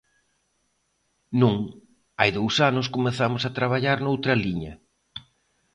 Non, hai dous anos comezamos a traballar noutra liña.